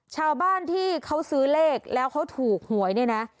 ชาวบ้านที่เขาซื้อเลขแล้วเขาถูกหวยเนี่ยนะ